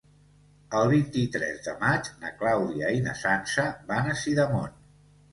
El vint-i-tres de maig na Clàudia i na Sança van a Sidamon.